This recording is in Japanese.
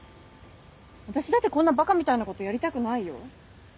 私だってこんなバカみたいなことやりたくないよ。